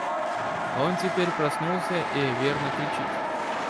Он теперь проснулся и, верно, кричит.